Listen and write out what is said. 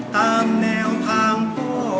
ตามแนวทางพ่อ